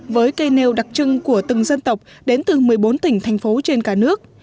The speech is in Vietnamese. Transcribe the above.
với cây nêu đặc trưng của từng dân tộc đến từ một mươi bốn tỉnh thành phố trên cả nước